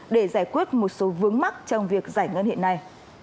để giải quyết một số vướng mắc trong việc giải ngân hiện nay